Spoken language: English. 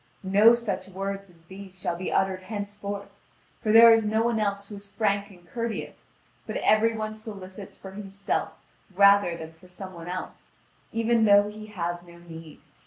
No such words as these shall be uttered henceforth, for there is no one else who is frank and courteous; but every one solicits for himself rather than for some one else, even though he have no need."